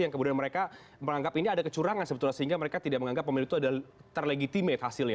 yang kemudian mereka menganggap ini ada kecurangan sebetulnya sehingga mereka tidak menganggap pemilu itu terlegitimate hasilnya